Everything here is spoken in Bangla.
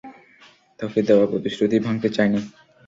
তোকে দেওয়া প্রতিশ্রুতি ভাঙতে চাইনি।